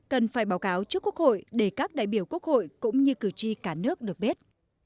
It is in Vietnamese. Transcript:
cần phải báo cáo trước quốc hội để các đại biểu quốc hội cũng như cử tri cả nước được biết